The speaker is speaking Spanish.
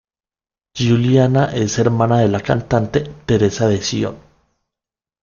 Giuliana es hermana de la cantante Teresa De Sio.